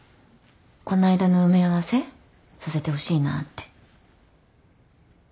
この間の埋め合わせさせてほしいなって。